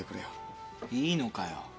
いいのかよ？